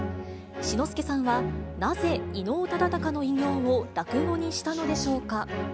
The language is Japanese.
志の輔さんはなぜ、伊能忠敬の偉業を落語にしたのでしょうか。